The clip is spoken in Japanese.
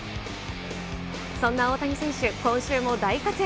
そんな大谷選手、今週も大活躍。